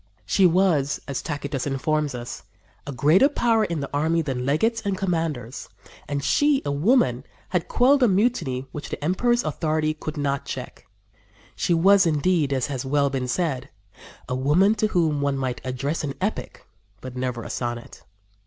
"She was," as Tacitus informs us, "a greater power in the army than legates and commanders, and she, a woman, had quelled a mutiny which the emperor's authority could not check." She was, indeed, as has well been said, "a woman to whom one might address an epic but never a sonnet."